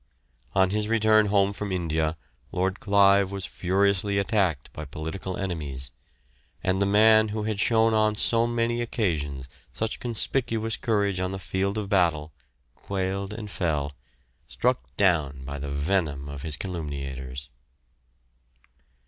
On his return home from India Lord Clive was furiously attacked by political enemies, and the man who had shown on so many occasions such conspicuous courage on the field of battle quailed and fell, struck down by the venom of his calumniators.